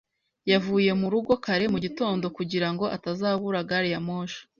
Yavuye mu rugo kare mu gitondo kugira ngo atazabura gari ya moshi.